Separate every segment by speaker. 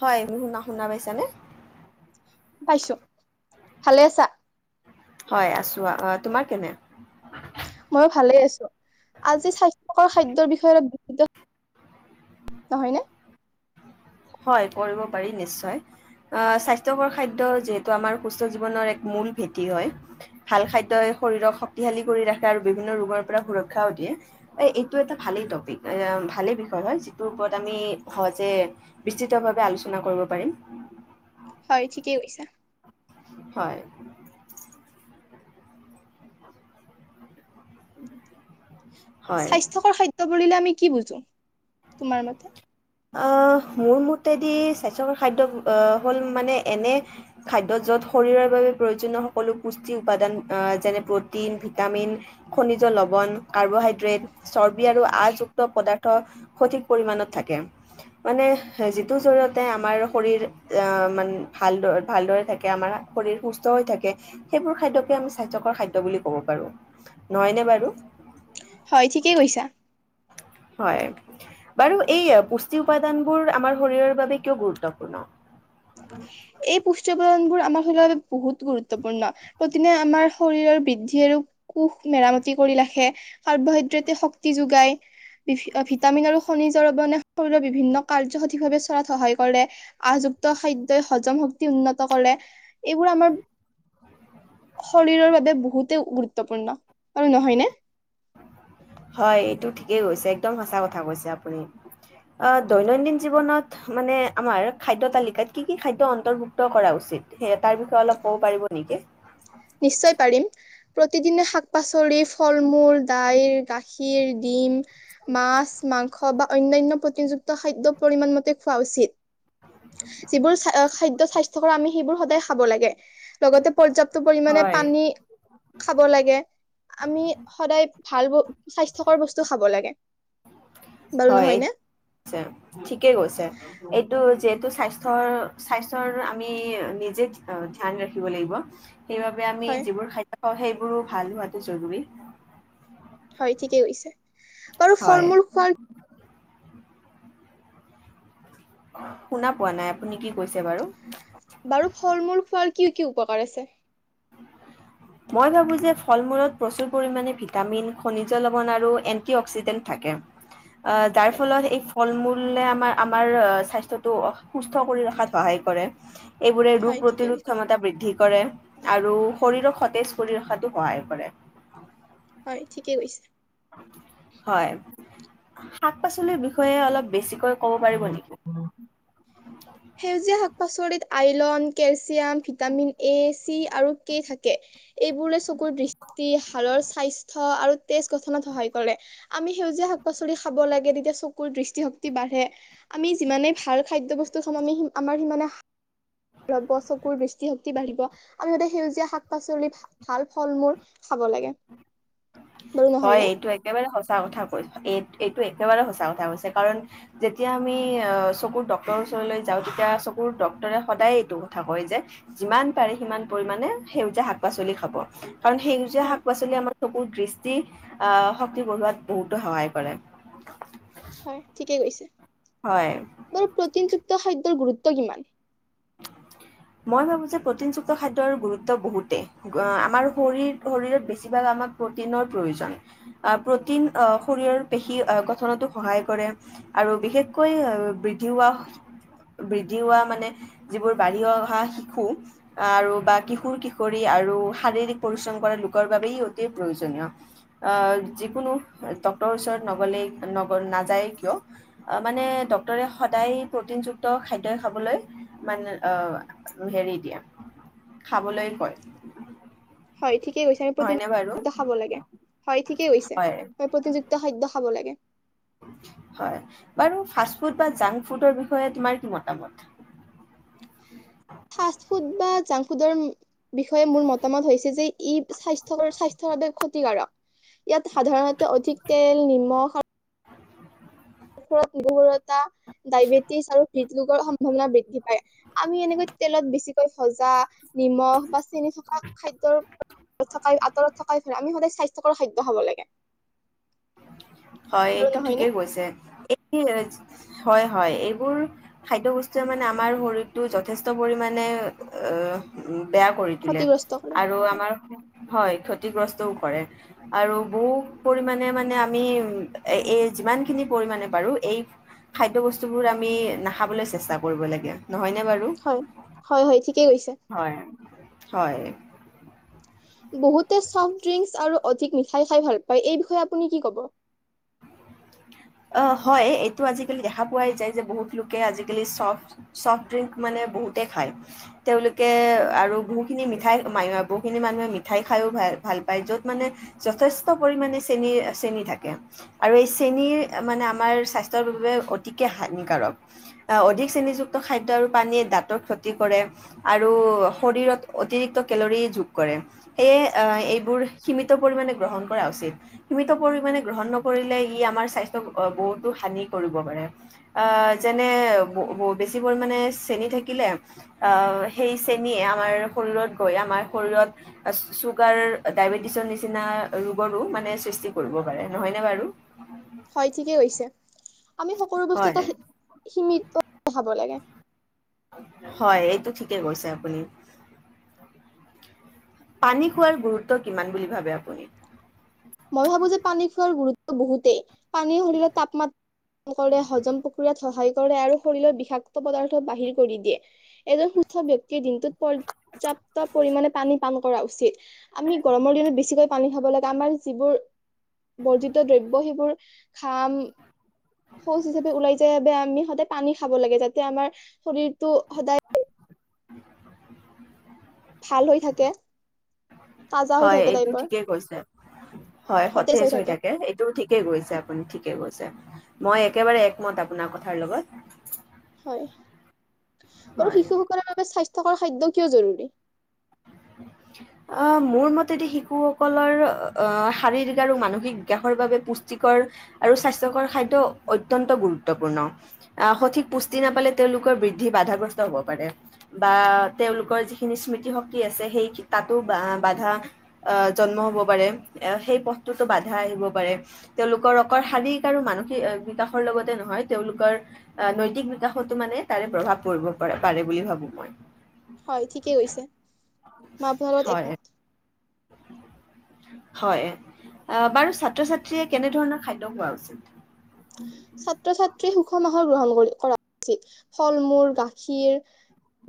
Speaker 1: হয়। মু শুনা-শুনা পাইছানে?
Speaker 2: পাইছো। ভালে আছা?
Speaker 1: আছোঁ। আহ তোমাৰ কেনে?
Speaker 2: ময়ো ভালেই আছো। আজি স্বাস্থ্যকৰ খাদ্যৰ বিষয়ে অলপ [unintelligible] নহয়নে?
Speaker 1: হয় কৰিব পাৰি নিশ্চয়। আহ স্বাস্থ্যকৰ খাদ্য যিহেতু আমাৰ সুস্থ জীৱনৰ এক মূল ভেটি হয়, ভাল খাদ্যই শৰীৰক শক্তিশালী কৰি ৰাখে আৰু বিভিন্ন ৰোগৰ পৰা সুৰক্ষাও দিয়ে এইটো এটা ভালেই টপিক ভালেই বিষয় হয় যিটোৰ ওপৰত আমি সহজে বিস্তৃতভাৱে আলোচনা কৰিব পাৰিম।
Speaker 2: হয় ঠিকেই কৈছা।
Speaker 1: হয়। [unintelligible]
Speaker 2: স্বাস্থ্যকৰ খাদ্য বিল আমি কি বুজো, তোমাৰ মতে?
Speaker 1: মোৰ মতেদি স্বাস্থ্যকৰ খাদ্য হ'ল মানে এনে খাদ্য য'ত শৰীৰৰ বাবে প্ৰয়োজনীয় সকলো পুষ্টি উপাদান যেনে প্ৰটিন, ভিটামিন, খনিজ লৱণ, কাৰ্বহাইড্ৰেট চৰ্বি আৰু আযুক্ত পদাৰ্থ সঠিক পৰিমাণত থাকে মানে যিটো জৰিয়তে আমাৰ শৰীৰ আহ মান ভাল ভালদৰে থাকে আমাৰ শৰীৰ সুস্থ হৈ থাকে সেইবোৰ খাদ্যকে আমি স্বাস্থ্যকৰ খাদ্য বুলি কব পাৰো নহয়নে বাৰু
Speaker 2: হয় ঠিকেই কৈছা
Speaker 1: হয় বাৰু এই পুষ্টি উপাদানবোৰ আমাৰ শৰীৰৰ বাবে কিয় গুৰুত্বপূৰ্ণ
Speaker 2: এই পুষ্টি উপাদানবোৰ আমাৰ শৰীৰৰ বাবে বহুত গুৰুত্বপূৰ্ণ প্ৰতিনে আমাৰ শৰীৰৰ বৃদ্ধি আৰু কুষ মেৰামতি কৰি ৰাখে কাৰ্বহাইড্ৰেটে শক্তি যোগায় ভিটামিন আৰু খনিজ শৰীৰ বিভিন্ন কাৰ্য সঠিকভাৱে চলাত সহায় কৰে আহযুক্ত খাদ্যই হজম শক্তি উন্নত কৰে এইবোৰ আমাৰ শৰীৰৰ বাবে বহুতে গুৰুত্বপূৰ্ণ আৰু নহয়নে
Speaker 1: হয় এইটো ঠিকেই কৈছে একদম সচা কথা কৈছে আপুনি দৈনন্দিন জীৱনত মানে আমাৰ খাদ্য তালিকাত কি কি খাদ্য অন্তৰ্ভুক্ত কৰা উচিত স তাৰ বিষয়ে অলপ ক'ব পাৰিব নেকি
Speaker 2: নিশ্চয় পাৰিম প্ৰতিদিনে শাক পাচলি ফল মূল দাইল গাখীৰ ডিম মাছ মাংস বা অন্যান্য প্ৰযুক্ত খাদ্য পৰিমাণ মতে খোৱা উচিত যিবোৰ খাদ্য স্বাস্থ্যকৰ আমি সেইবোৰ সদায় খাব লাগে লগতে পৰ্যাপ্ত মানে
Speaker 1: হয়।
Speaker 2: পানী খাব লাগে আমি সদায় ভাল ব স্বাস্থ্যকৰ বস্তু খাব লাগে বাৰু
Speaker 1: হয়
Speaker 2: নহয়
Speaker 1: এই
Speaker 2: নে?
Speaker 1: ঠিকে কৈছে এইটো যে স্বাস্থ্যৰ স্বাস্থ্যৰ আমি নিজে ধ্যান ৰাখিব লাগিব সেইবাবে আমি
Speaker 2: হয়,
Speaker 1: যিবোৰ খাদ্য পাওঁ সেই বোৰো ভাল হোৱাটো জৰুৰী
Speaker 2: হয় ঠিকেই কৈছে বাৰু
Speaker 1: হয়।
Speaker 2: ফল মূল খোৱাৰ
Speaker 1: শুনা পোৱা নাই আপুনি কি কৈছে বাৰু
Speaker 2: বাৰু ফল মূল খোৱাৰ কি কি উপকাৰ আছে
Speaker 1: মই ভাবোঁ যে ফল মূলত প্ৰচুৰ পৰিমাণে ভিটামিন খনিজ লৱণ আৰু এন্টি অক্সিডেণ্ট থাকে অ যাৰ
Speaker 2: হয়,
Speaker 1: ফলত এক ফল মূলে আমাৰ আমাৰ স্বাস্থ্যতটো সুস্থ কৰি ৰখাত সহায় কৰে এইবোৰে ৰোগ
Speaker 2: হয় ঠিকে
Speaker 1: প্ৰতিৰোধ
Speaker 2: কৈছে।
Speaker 1: ক্ষমতা বৃদ্ধি কৰে আৰু শৰীৰক সতেজ কৰি ৰখাতো সহায় কৰে
Speaker 2: হয় ঠিকেই কৈছে
Speaker 1: হয় শাক পাচলিৰ বিষয়ে অলপ বেছিকৈ কব পাৰিব নেকি
Speaker 2: আইলন কেচ কেল চিয়াম ভিটামিন এছ চি আৰু কে থাকে এইবোৰে চকুৰ দৃষ্টি হাৰৰ স্বাস্থ্য আৰু তেজ গঠনত সহায় কৰে আমি সেউজীয়া শাক পাচলি খাব লাগে তেতিয়া চকুৰ দৃষ্টিশক্তি বাঢ়ে আমি যিমানে ভাল খাদ্য বস্তু আমি আমাৰ সিমানে ৰব চকুৰ দৃষ্টিশক্তিৰ বাঢ়িব আমি সতে সেউজীয়া শাক পাচলি ভাল ফল মূল খাব লাগে বাৰু নহয়
Speaker 1: হয়
Speaker 2: নে
Speaker 1: এইটো একেবাৰে সঁচা কথা কৈছো এই এইটো একেবাৰে সচা কথা কৈছে কাৰণ যেতিয়া আমি আহ চকুৰ ডক্তৰৰ ওচৰলৈ যাওঁ তেতিয়া চকুৰ ডাক্তৰে সদায় এইটো কথা কয় যে যিমান পাৰে সিমান পৰিমমানে সেউজীয়া শাক পাচলি খাব কাৰণ সেউজীয়া
Speaker 2: হয়
Speaker 1: শাক পাচলি আমাৰ চকুৰ দৃষ্টি আহ শক্তি বঢ়োৱাত বহুতো সহায় কৰে
Speaker 2: হয় ঠিকেই কৈছে
Speaker 1: হয়
Speaker 2: মোৰ পেকিং টুত খাদ্যৰ গুৰুত্ব কিমান
Speaker 1: মই ভাবো যে প্ৰটিনযুক্ত খাদ্যৰ গুৰুত্ব বহুতেই আমাৰ শৰীৰ শৰীৰত বেছিভাগ আমাক প্ৰটিনৰ প্ৰয়োজন আহ প্ৰটিন আহ শৰীৰৰ পেশী গঠনতো সহায় কৰে আৰু বিশেষকৈ আহ বৃদ্ধি হোৱা বৃদ্ধি হোৱা মানে যিবোৰ বাঢ়ি অহা শিশু আহ আৰু বা কিশোৰ কিশোৰী আৰু শাৰীৰিক পৰিশ্ৰম কৰা লোকৰ বাবেই অতি প্ৰয়োজনীয় আহ যিকোনো ডক্টৰৰ ওচৰত নগলেই নগ নাযায় কিয় মানে ডক্টৰে সদায় প্ৰটিনযুক্ত খাদ্য়ই খাবলৈ মানে আহ হেৰি দিয়া খাবলৈ কয়
Speaker 2: হয় ঠিকেই কৈছে আমি প্ৰতিযুওো
Speaker 1: হয়নে বাৰু
Speaker 2: খাদ্য খাব লাগে হয় ঠিকেই কৈছে হয় প্ৰতিযুিতক্ত খাদ্য খাব লাগে
Speaker 1: হয় বাৰু ফাষ্ট ফুড বা জাংক ফুডৰ বিষয়ে তোমাৰ কি মতামত
Speaker 2: ফা ফুড বা জাংক ফুডৰ বিষয়ে মোৰ মতামত হৈছে যে ই স্বাস্থ্য স্বাস্থ্য বাবে ক্ষতিকাৰক ইয়াত সাধাৰণতে অধিক তেল নিমখ আৰু ৰত গহুৰতা ডায়বেটিছ আৰু হৃদৰোগৰ সম্ভাৱনা বৃদ্ধি পায় আমি এনেকৈ তেলত বেছিকৈ ভজা নিমখ বা চিনি থকা খাদ্যৰ থ আঁতৰত থকাই ফেৰা আমি সদায় স্বাস্থ্যকৰ খাদ্য খাব লাগে
Speaker 1: হয়
Speaker 2: আৰু
Speaker 1: এইটো
Speaker 2: নহয়নে
Speaker 1: ঠিকেই কৈছে এই হয় হয় এইবোৰ খাদ্যই বস্তুৱে মানে আমাৰ শৰীৰটো যথেষ্ট পৰিমানে বেয়া কৰি তোলে
Speaker 2: ক্ষতিগ্ৰস্ত কৰে
Speaker 1: আৰু
Speaker 2: হয়
Speaker 1: আমাৰ হয় ক্ষতিগ্ৰস্ত কৰে আৰু বহু পৰিমাণে মানে আমি এই যিমানখিনি পৰিমণে পাৰো এই খাদ্যয় বস্তুবোৰ আমি নাখাবলৈ চেষ্টা কৰিব লাগে নহয়নে বাৰু?
Speaker 2: হয় হয় হয় ঠিকেই কৈছে
Speaker 1: হয় হয়
Speaker 2: বহুত চফ্ট ড্ৰিংকস আৰু অধিক মিঠাই খাই ভাল পায় এই বিষয়ে আপুনি কি ক'ব
Speaker 1: অ হয় এইটো আজিকালি দেখা পোৱাই যায় যে বহুত লোকে আজিকালি চফ চফট ড্ৰিংক মানে বহুতে খায় তেওঁলোক আৰু বহুখিনি মিঠা মিঠাই বহুখিনি মানুহে মিঠাই খাইো ভাল ভাল পায় য'ত মানে যথেষ্ট পৰিমাণে চেনীৰ চেনী থাকে আৰু এই চেনীৰ মানে আমাৰ স্বাস্থ্যৰ বাবে অতিকে হানিকাৰক অধিক চ্ৰেনিযুক্ত খাদ্য আৰু পানীয়ে দাঁতৰ ক্ষতি কৰে আৰু শৰীৰত অতিৰিক্ত কেলৰি যোগ কৰে সেয়ে এইবোৰ সীমিত পৰিমণে গ্ৰহণ কৰা উচিত সীমিত পৰিমাণে গ্ৰহণ নকৰিলে ই আমাৰ স্বাস্থ্য বহুতো হানি কৰিব পাৰে আহ যেনে বেছি পৰিমাণে চেন থাকিলে আহ সেই চেনীয়ে আমাৰ শৰীৰত গৈ আমাৰ শৰীৰত চুগাৰ ডায়বেটিছৰ নিচিনা ৰোগৰো মানে সৃষ্টি কৰিব পাৰে নহয়নে বাৰু
Speaker 2: ঠিকে কৈছে আমি সকলো বস্তু
Speaker 1: হয়
Speaker 2: এটা সীমিত খাব লাগে
Speaker 1: হয় এইটো ঠিকেই কৈছে আপুনি পানী খোৱাৰ গুৰুত্ব কিমান বুলি ভাবে আপুনি
Speaker 2: মই ভাবো যে পানী খোৱাৰ গুৰুত্ব বহুতেই পানী সৰিলে তাপমাত কৰে হজম পক কুৰাত সহায় কৰে আৰু শৰীৰৰ বিষাক্ত পদাৰ্থ বাহিৰ কৰি দিয়ে। এজন সুস্থ ব্যক্তিৰ দিনটোত পৰ্যাপ্ত পৰিমাণে পানী পান কৰা উচিত। আমি গৰমৰ দিনত বেছিকৈ পানী খাব লাগে আমাৰ যিবোৰ বৰ্জিত দ্ৰব্য সেইবোৰ ঘাম শৌচ হিচাপে ওলাই যায় বেয়া আমি সদায় পানী খাব লাগে যাতে আমাৰ শৰীৰটো সদায়
Speaker 1: [unintelligible]
Speaker 2: ভাল হৈ থাকে। তাজা হৈ
Speaker 1: হয়
Speaker 2: থাকে
Speaker 1: এইটো
Speaker 2: টাইপৰ
Speaker 1: ঠিকে কৈছে হয় সতেজ হৈ থাকে এইটো ঠিকে কৈছে আপুনি ঠিকে কৈ। মই একেবাৰে একমত আপোনাৰ কথাৰ লগত।
Speaker 2: হয় বাৰু
Speaker 1: হয়
Speaker 2: শিশুসকলৰ বাবে স্বাস্থ্য থকাৰ খাদ্য কিয় জৰুৰী?
Speaker 1: আহ মোৰ মতেদি শিশুসকলৰ আহ শাৰীৰিক আৰু মানসিক বিকাশৰ বাবে পুষ্টিকৰ আৰু স্বাস্থ্যকৰ খাদ্য অত্যন্ত গুৰুত্বপূৰ্ণ আহ সঠিক পুষ্টি নাপালে তেওঁলোকৰ বৃদ্ধি বাধাগ্ৰস্ত হব পাৰে বা তেওঁলোকৰ যিখিনি স্মৃতিশক্ত। কি আছে সেই তাতো বা বাধা আহ জন্ম হব পাৰে সেই পথটোতো বাধা আহিব পাৰে। তেওঁলোকৰ অকৰ শাৰীৰিক আৰু মানসিক বিকাশৰ লগতে নহয় তেওঁলোকৰ নৈতিক বিকাশতো মানে তাৰে প্ৰভাৱ পৰিব পাৰে পাৰে বুলি ভাবো মই।
Speaker 2: হয় ঠিকেই কৈছে। মই ভৰত
Speaker 1: হয়
Speaker 2: একমত।
Speaker 1: হয় বাৰু ছাত্ৰ ছাত্ৰীয়ে কেনে ধৰণৰ খাদ্য খোৱা উচিত?
Speaker 2: ছাত্ৰ ছাত্ৰীয়ে সুষম আহৰ গ্ৰহণ কৰি কৰা উচিত। ফল মূল গাখীৰ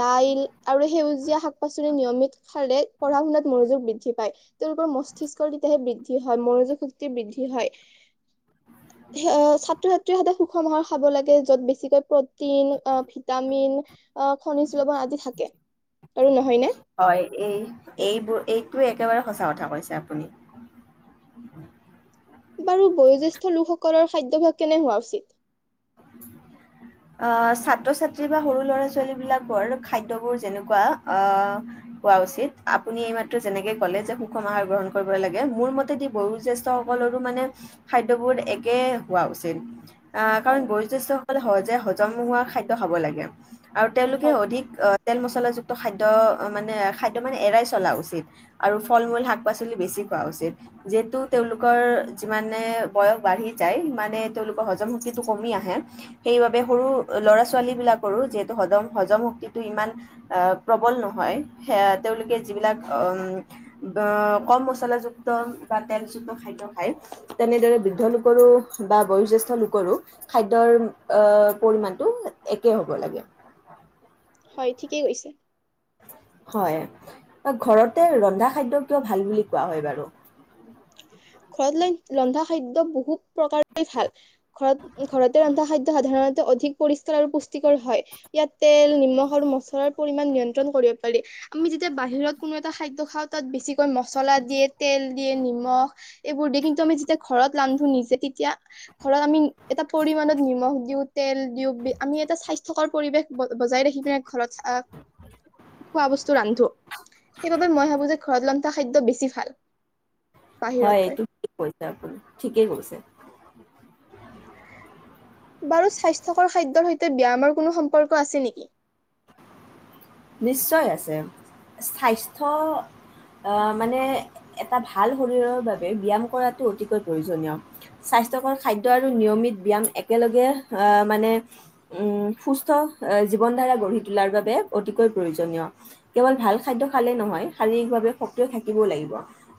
Speaker 2: দাইল আৰু সেউজীয়া শাক-পাচলি নিয়মিত খাদ্য পঢ়া শুনাত মনোযোগ বৃদ্ধি পায়। তেওঁলোকৰ মস্তিষ্কৰ তেতিয়াহে বৃদ্ধি হয় মনোযোগ শক্তি বৃদ্ধি হয়। সিঅ অ সাত। তে সদায় সুখম আহাৰ খাব লাগে যত বেছিকৈ প্ৰটিন অহ ভিটামিন। অ খনিজ লৱন আদি থাকে। আৰু নহয়নে
Speaker 1: হয় এই এইবোৰ এইটোয়ে একেবাৰে সঁচা কথা কৈছে আপুনি।
Speaker 2: বাৰু বয়োজ্যেষ্ঠ লোকসকলৰ খাদ্যাভাস কেনে হোৱা উচিত?
Speaker 1: আহ ছাত্ৰ ছাত্ৰী বা সৰু ল'ৰা ছোৱালী বিলাকৰ খাদ্যবোৰ যেনেকুৱা আহ হোৱা উচিত আপুনি এইমাত্ৰ যেনেকে কলে যে সুষম আহাৰ গ্ৰহণ কৰিব লাগে মোৰ মতেদি বয়োজ্যেষ্ঠ সকলৰো মানে খাদ্যবোৰ একে হোৱা উচিত। আহ কাৰণ
Speaker 2: হয়
Speaker 1: বয়োজ্যেষ্ঠ। সকলে সজে হজম হোৱা খাদ্য খাব লাগে। আৰু তেওঁলোকে
Speaker 2: হয়
Speaker 1: অধিক তেল, মছলা যোগ। খাদ্য মানে খাদ্য মানে এৰাই চলা উচিত আৰু ফল মূল শাক-পাচলি বেছি খোৱা উচিত। যিহেতু তেওঁলোকৰ যিমানে বয়স বাঢ়ি যায় সিমানে তেওঁলোকৰ হজম শক্ত। যিহেতু কমি আহে সেইবাবে সৰু ল'ৰা ছোৱালী বিলাকৰো যিহেতু হজম হজম শক্তিটো ইমান আহ প্ৰবল নহয় সে তেওঁলোকে যিবিলাক কম মচলাযুক্ত বা তেলযুক্ত খাদ্য খায় তেনেদৰে বৃদ্ধ লোকৰো বা বয়োজ্যেষ্ঠ লোক। কৰো খাদ্যৰ অহ্ পৰিমাণটো একে হ'ব লাগে।
Speaker 2: হয় ঠিকেই কৈছে।
Speaker 1: হয় ঘৰতে ৰন্ধা খাদ্য কিয় ভাল বুলি কোৱা হয় বাৰু?
Speaker 2: ঘৰতলৈ ৰন্ধা খাদ্য বহুত প্ৰকাৰে ভাল। ঘৰত ঘৰতে ৰন্ধা খাদ্য সাধাৰণত ত অধিক পৰিষ্কাৰ আৰু পুষ্টিকৰ হয় ইয়াত তেল, নিমখ আৰু মচলাৰ পৰিমানত নিয়ন্ত্ৰণ কৰিব পাৰি। আমি যেতিয়া বাহিৰত কোনো এটা খাদ্য খাওঁ তাত বেছিকৈ মচলা দিয়ে, তেল দিয়ে, নিমখ এইবোৰ দি কিন্তু আমি যেতিয়া ঘৰত ৰান্ধো নিজে তেতিয়া ঘৰত আমি এটা পৰিমাণত নিমখ দিওঁ, তেল দিওঁ আমি এটা স্বাস্থ্যকৰ পৰিৱেশ বজাই ৰাখি পিনে ঘৰত খোৱা বস্তু ৰান্ধো, সেইবাবে মই ভাবো যে ঘৰত ৰান্ধ থোৱা খাদ্য বেছি ভাল।
Speaker 1: হয়
Speaker 2: বাহিৰত।
Speaker 1: এইটো ঠিক কৈছে আপুনি ঠিকেই কৈছে।
Speaker 2: বাৰু স্বাস্থ্যকৰ খাদ্যৰ সৈতে ব্যায়ামৰ কোনো সম্পৰ্ক আছে নেকি
Speaker 1: নিশ্চয় আছে স্বাস্থ্য আহ মানে এটা ভাল শৰীৰৰ বাবে ব্যায়াম কৰাটো অতিকৈ প্ৰয়োজনীয় স্বাস্থ্যকৰ খাদ্য আৰু নিয়মিত ব্যায়াম একেলগে আহ মানে উ সুস্থ জীৱন ধাৰা গঢ়ি তোলাৰ বাবে অতিকৈ প্ৰয়োজনীয় কেৱল ভাল খাদ্য খালে নহয় শাৰীৰিকভাৱে সক্ৰিয় থাকিবও লাগিব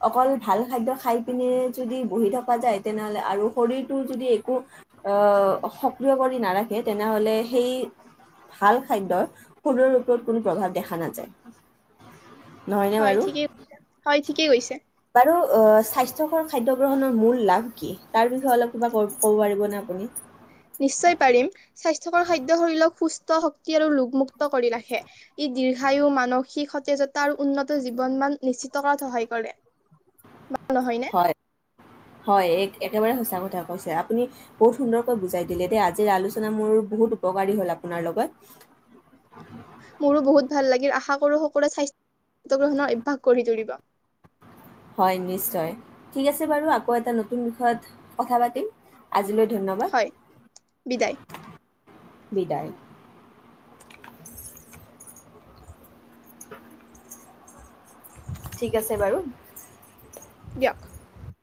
Speaker 1: অকল ভাল খাদ্য খাই পিনে যদি বহি থকা যায় তেনেহলে আৰু শৰীৰটো যদি একো আহ সক্ৰিয় কৰি নাৰাখে তেনেহলে সেই ভাল খাদ্য শৰৰ ও কোনো প্ৰভাৱ দেখা নাযায় নহয়নে
Speaker 2: হয়
Speaker 1: বাৰু
Speaker 2: ঠিকেই হয় ঠিকেই কৈছে।
Speaker 1: বাৰু স্বাস্থ্যকৰ খাদ্য গ্ৰহণৰ মূল লাভ কি তাৰ বিষয়ে অলপ কিবা ক ক'ব পাৰিবনে আপুনি
Speaker 2: নিশ্চয় পাৰিম স্বাস্থ খাদ্য শৰীৰক সুস্থ শক্তি আৰু ৰোগমুক্ত কৰি ৰাখে ই দীৰ্ঘায়ু মানসিক সতেজতা আৰু উন্নত জীৱন মন নিশ্চিত কৰাত সহায় কৰে নহয় নে
Speaker 1: হয় হয় এক একেবাৰে সঁচা কথা কৈছে আপুনি বহুত সুন্দৰকৈ বুজাই দিলে দেই আজিৰ আলোচনা মোৰ বহুত উপকাৰী হ'ল আপোনাৰ লগত
Speaker 2: মোৰো বহুত ভাল লাগিল আশা কৰোঁ সকলোৱৰে স্বাস্থ্য গ্ৰহণৰ অভ্যাস গঢ়ি তুলিব
Speaker 1: হয় নিশ্চয় ঠিক আছে বাৰু আকৌ এটা নতুন বিষয়ত কথা পাতিম আজিলৈ। ধন্যবাদ
Speaker 2: হয় বিদায়
Speaker 1: বিদায় ঠিক আছে বাৰু
Speaker 2: দিয়ক